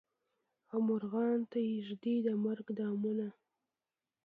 او مرغانو ته ایږدي د مرګ دامونه